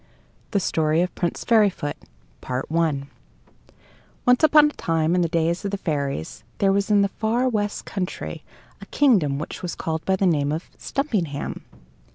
THE STORY OF PRINCE FAIRYFOOT PART I Once upon a time, in the days of the fairies, there was in the far west country a kingdom which was called by the name of Stumpinghame.